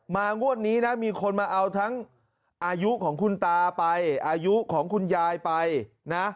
งวดนี้นะมีคนมาเอาทั้งอายุของคุณตาไปอายุของคุณยายไปนะ